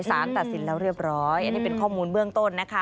สารตัดสินแล้วเรียบร้อยอันนี้เป็นข้อมูลเบื้องต้นนะคะ